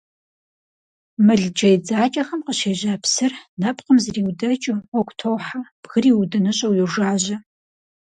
Мыл джей дзакӀэхэм къыщежьа псыр, нэпкъым зриудэкӀыу, гъуэгу тохьэ, бгыр иудыныщӀэу йожажьэ.